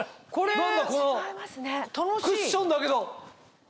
クッションだけど。